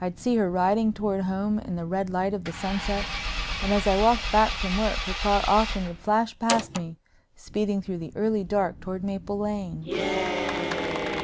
I'd see her riding toward home in the red light of the sunset, and as I walked back from work her car often would flash past me, speeding through the early dark toward Maple Lane.